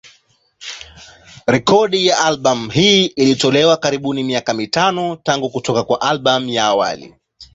Rekodi ya albamu hii ilitolewa karibuni miaka mitano tangu kutoka kwa albamu ya awali.